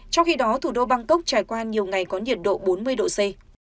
trong khi đó thủ đô bangkok trải qua nhiều ngày có nhiệt độ bốn mươi độ c